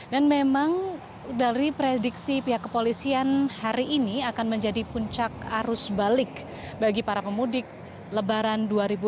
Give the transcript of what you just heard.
dan memang dari prediksi pihak kepolisian hari ini akan menjadi puncak arus balik bagi para pemudik lebaran dua ribu delapan belas